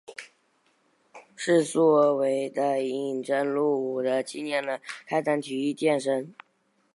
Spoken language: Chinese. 是苏俄为待应征入伍的青年人开展体育健身运动的背景下开展的。